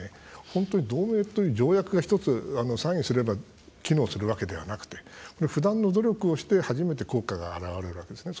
本当に同盟という条約が１つサインすれば機能するわけではなくて不断の努力をして初めて効果が現れるわけですね。